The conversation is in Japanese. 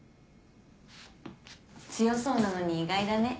強そうなのに意外だね。